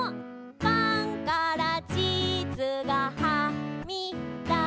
「パンからチーズがはみだした」